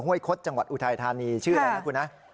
คดจังหวัดอุทัยธานีชื่ออะไรนะคุณนะ